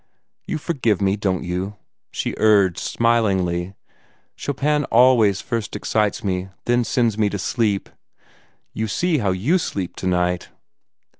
"You forgive me, don't you?" she urged smilingly. "Chopin always first excites me, then sends me to sleep. You see how YOU sleep tonight!"